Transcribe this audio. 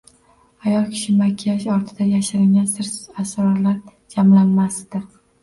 Ayol kishi makiyaj ortiga yashiringan sir-asrorlar jamlanmasidir...